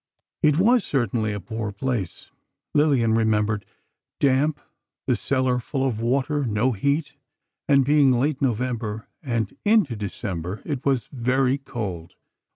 "It was certainly a poor place," Lillian remembered; "Damp, the cellar full of water, no heat, and being late November and into December, it was very cold.